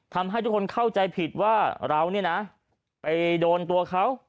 ทำให้ทุกคนเข้าใจผิดว่าเราเนี่ยนะไปโดนตัวเขา